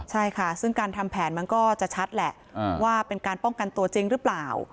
ใช่ค่ะซึ่งการทำแผนมันก็จะชัดแหละว่าเป็นการป้องกันตัวจริงหรือเปล่า